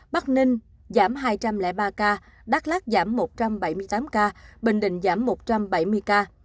bắc ninh giảm hai trăm linh ba ca đắk lắc giảm một trăm bảy mươi tám ca bình định giảm một trăm bảy mươi ca